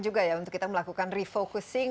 juga ya untuk kita melakukan refocusing